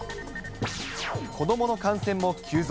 子どもの感染も急増。